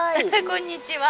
こんにちは。